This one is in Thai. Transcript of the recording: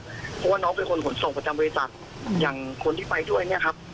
เพราะว่าน้องเป็นคนขนส่งประจำบริษัทอย่างคนที่ไปด้วยเนี่ยครับ